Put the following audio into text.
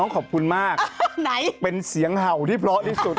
ขอบคุณมากเป็นเสียงเห่าที่เพราะที่สุด